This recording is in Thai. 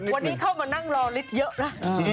วันนี้เข้ามานั่งรอฤทธิ์เยอะนะ